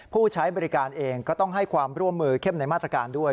ผู้ใช้บริการเองก็ต้องให้ความร่วมมือเข้มในมาตรการด้วย